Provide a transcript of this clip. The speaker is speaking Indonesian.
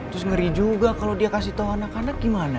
terus ngeri juga kalau dia kasih tau anak anak gimana